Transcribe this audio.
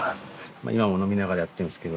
今も飲みながらやってるんですけど。